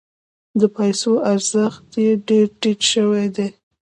د پیسو ارزښت یې ډیر ټیټ شوی دی.